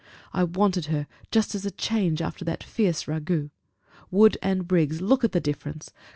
I wanted her just as a change, after that fierce ragoût. Wood and Briggs, look at the difference.